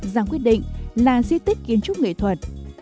giang quyết định là di tích kiến trúc nghệ thuật